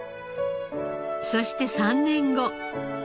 そして３年後。